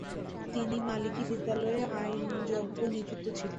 তিনি মালিকী বিদ্যালয়ে আইনজ্ঞ নিযুক্ত ছিলেন।